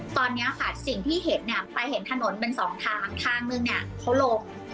ตอนนี้ค่ะสิ่งที่เห็นเนี่ยไปเห็นถนนเป็นสองทางทางนึงเนี่ยเขาลง